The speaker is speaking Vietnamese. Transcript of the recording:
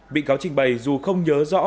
bị cáo trình bày dù không nhớ rõ